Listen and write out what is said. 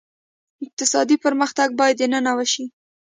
اقتصادي پرمختګ باید دننه وشي.